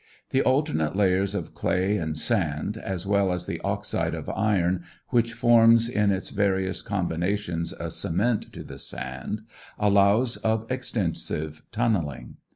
The alternate layers of clay and sand, as well as the oxide of iron, which forms in its various combinations a cement to the sand, allows of extensive tun neling.